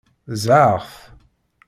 Ẓẓɛeɣ-t.